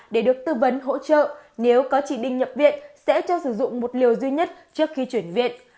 để được tư vấn hỗ trợ nếu có chỉ định nhập viện sẽ cho sử dụng một liều duy nhất trước khi chuyển viện